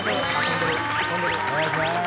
お願いしまーす。